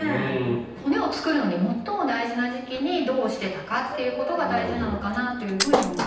骨を作るのに最も大事な時期にどうしてたかっていうことが大事なのかなというふうに思います。